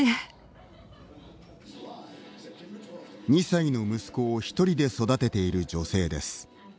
２歳の息子をひとりで育てている女性です。